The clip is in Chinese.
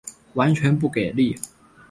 完全不给力